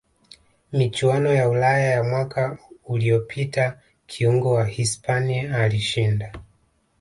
michuano ya ulaya ya mwaka uliyopita kiungo wa hispania alishinda